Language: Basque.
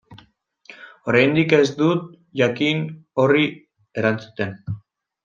Oraindik ez dut jakin horri erantzuten.